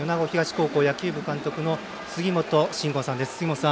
高校野球部監督の杉本真吾さんです。